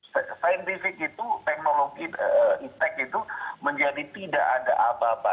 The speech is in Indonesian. sainsifik itu teknologi itu menjadi tidak ada apa apa